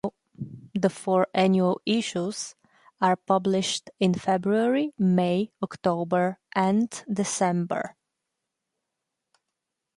The four annual issues are published in February, May, October, and December.